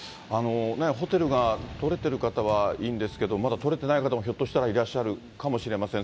ホテルが取れてる方はいいんですけど、まだ取れてない方も、ひょっとしたらいらっしゃるかもしれません。